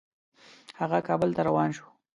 هغه کابل ته روان شو.